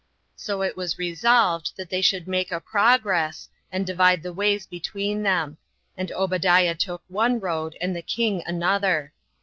So it was resolved they should make a progress, and divide the ways between them; and Obadiah took one road, and the king another.